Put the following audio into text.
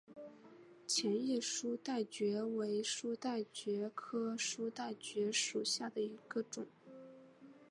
线叶书带蕨为书带蕨科书带蕨属下的一个种。